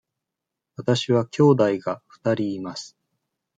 わたしは兄弟が二人います。